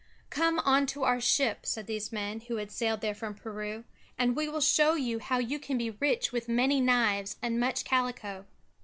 "Come onto our ship," said these men, who had sailed there from Peru, "and we will show you how you can be rich with many knives and much calico."